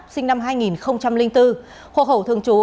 sinh năm hai nghìn bốn hồ hậu thương chú